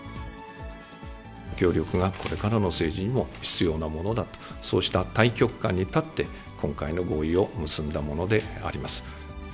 協力がこれからの政治にも必要なものだと、そうした大局観に立って、今回の合意を結んだものであります。